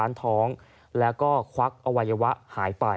และถือเป็นเคสแรกที่ผู้หญิงและมีการทารุณกรรมสัตว์อย่างโหดเยี่ยมด้วยความชำนาญนะครับ